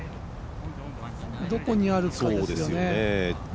どこにあるかですよね。